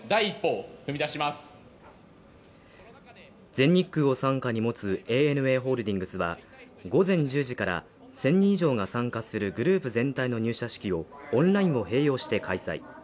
全日空を傘下に持つＡＮＡホールディングスは午前１０時から１０００人以上が参加するグループ全体の入社式をオンラインを併用して開催。